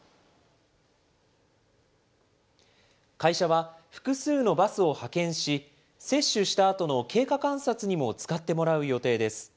会社は複数のバスを派遣し、接種したあとの経過観察にも使ってもらう予定です。